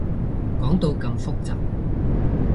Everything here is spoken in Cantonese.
講到咁複雜